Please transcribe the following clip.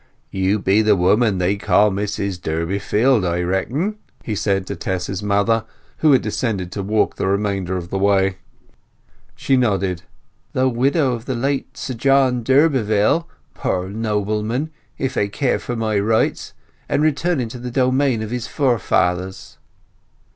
"You be the woman they call Mrs Durbeyfield, I reckon?" he said to Tess's mother, who had descended to walk the remainder of the way. She nodded. "Though widow of the late Sir John d'Urberville, poor nobleman, if I cared for my rights; and returning to the domain of his forefathers."